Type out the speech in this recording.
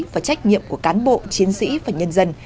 và trách nhiệm của cán bộ chiến sĩ và nhân dân